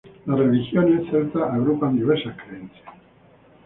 Las religiones celtas agrupan diversas creencias.